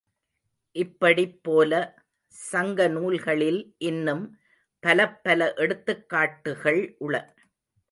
இப்படிப் போல, சங்க நூல்களில் இன்னும் பலப்பல எடுத்துக் காட்டுகள் உள.